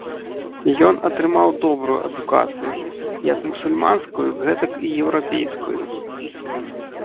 Ён атрымаў добрую адукацыю, як мусульманскую, гэтак і еўрапейскую.